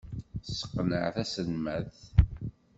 Tesseqneɛ taselmadt.